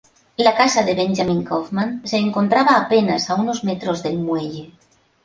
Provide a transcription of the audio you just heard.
La casa de Benjamin Kauffman se encontraba apenas a unos metros del muelle.